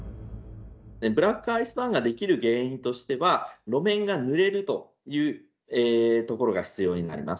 ブラックアイスバーンが出来る原因としては、路面がぬれるというところが必要になります。